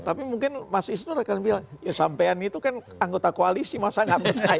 tapi mungkin mas isnur akan bilang ya sampean itu kan anggota koalisi masa nggak percaya